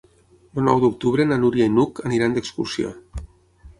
El nou d'octubre na Núria i n'Hug aniran d'excursió.